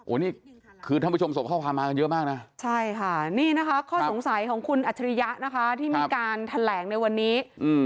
อันนี้คือท่านผู้ชมส่งข้อความมากันเยอะมากนะใช่ค่ะนี่นะคะข้อสงสัยของคุณอัจฉริยะนะคะที่มีการแถลงในวันนี้